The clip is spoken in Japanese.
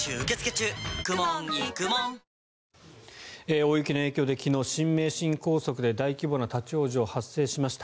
大雪の影響で昨日、新名神高速で大規模な立ち往生が発生しました。